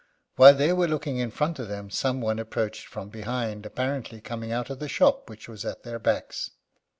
While they were looking in front of them some one approached from behind, apparently coming out of the shop which was at their backs.